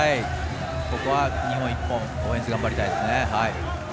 ここは日本１本、オフェンス頑張りたいです。